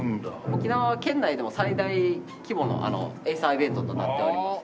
沖縄県内でも最大規模のエイサーイベントとなっております。